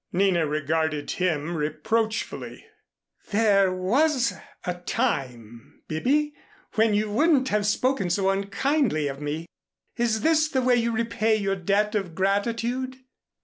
Nina regarded him reproachfully. "There was a time, Bibby, when you wouldn't have spoken so unkindly of me. Is this the way you repay your debt of gratitude?"